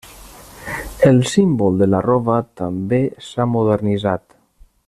El símbol de l'arrova també s'ha modernitzat.